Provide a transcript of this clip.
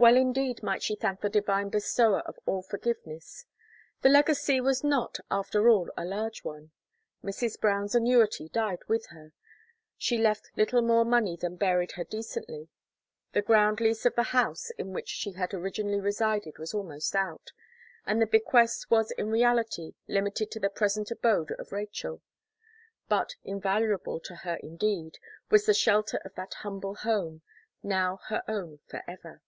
Well indeed might she thank the Divine bestower of all forgiveness. The legacy was not after all a large one. Mrs. Brown's annuity died with her; she left little more money than buried her decently; the ground lease of the house in which she had originally resided was almost out, and the bequest was in reality limited to the present abode of Rachel; but invaluable to her indeed, was the shelter of that humble home, now her own for ever.